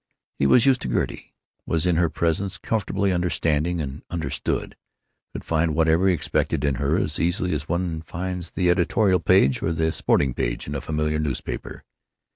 He was used to Gertie; was in her presence comfortably understanding and understood; could find whatever he expected in her as easily as one finds the editorial page—or the sporting page—in a familiar newspaper.